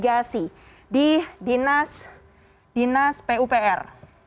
ini adalah kasus yang terjadi di dalam peririgasi di dinas pupr